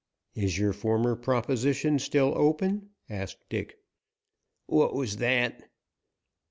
"Is your former proposition still open?" asked Dick. "What was that?"